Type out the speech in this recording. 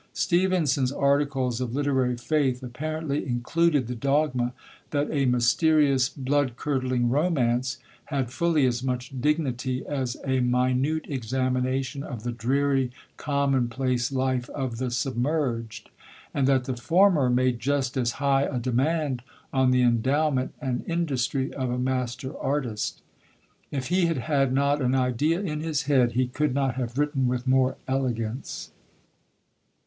Stevenson's articles of literary faith apparently included the dogma that a mysterious, blood curdling romance had fully as much dignity as a minute examination of the dreary, commonplace life of the submerged; and that the former made just as high a demand on the endowment and industry of a master artist. If he had had not an idea in his head, he could not have written with more elegance.